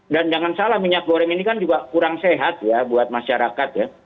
dan jangan salah minyak goreng ini kan juga kurang sehat ya buat masyarakat ya